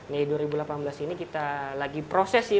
mei dua ribu delapan belas ini kita lagi proses sih